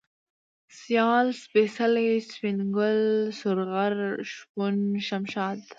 سيال ، سپېڅلى ، سپين گل ، سورغر ، شپون ، شمشاد